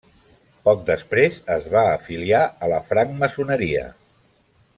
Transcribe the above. Poc després es va afiliar a la francmaçoneria.